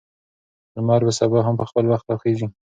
لمر به سبا هم په خپل وخت راخیژي.